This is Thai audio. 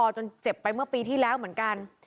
จนเจ็บไปเมื่อปีที่แล้วเหมือนกัน